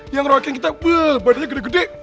yang roakin kita badanya gede gede